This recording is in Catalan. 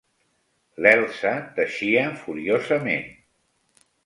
L'Elsa teixia furiosament.